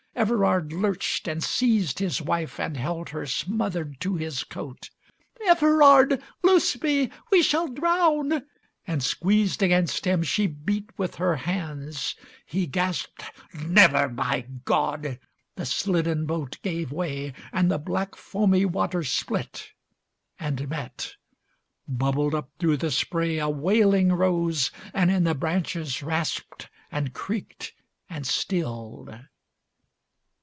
Everard lurched and seized His wife and held her smothered to his coat. "Everard, loose me, we shall drown " and squeezed Against him, she beat with her hands. He gasped "Never, by God!" The slidden boat gave way And the black foamy water split and met. Bubbled up through the spray A wailing rose and in the branches rasped, And creaked, and stilled.